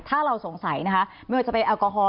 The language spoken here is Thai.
ถ้าเราสงสัยนะคะไม่ว่าจะเป็นแอลกอฮอล